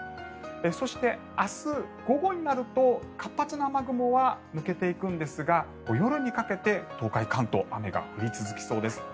そして、明日午後になると活発な雨雲は抜けていくんですが夜にかけて東海、関東雨が降り続きそうです。